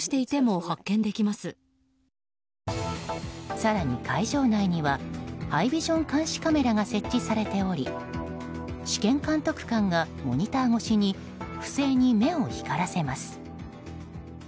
更に会場内にはハイビジョン監視カメラが設置されており試験監督官がモニター越しに不正に目を光らせます。